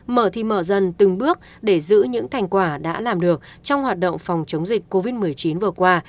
mở thì mở dần từng bước để giữ những thành quả đã làm được trong hoạt động phòng chống dịch covid một mươi chín vừa qua